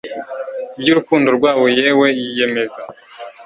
ibyurukundo rwabo yewe yiyemeza